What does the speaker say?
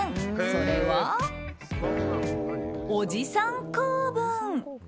それは、おじさん構文。